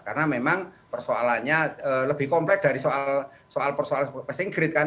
karena memang persoalannya lebih kompleks dari soal soal passing grade kan